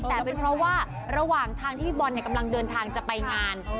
แต่เป็นเพราะว่าระหว่างทางที่พี่บอลกำลังเดินทางจะไปงาน